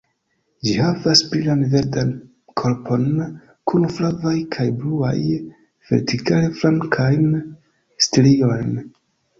Ĝi havas brilan verdan korpon kun flavaj kaj bluaj, vertikale flankajn striojn.